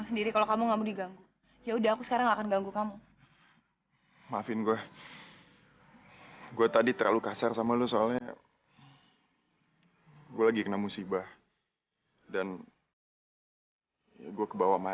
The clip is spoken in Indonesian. sampai jumpa di video selanjutnya